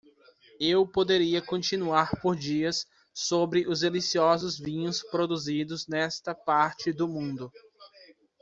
Eu poderia continuar por dias sobre os deliciosos vinhos produzidos nesta parte do mundo.